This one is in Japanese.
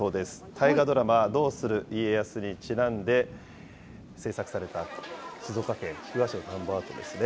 大河ドラマ、どうする家康にちなんで制作された、静岡県菊川市の田んぼアートですね。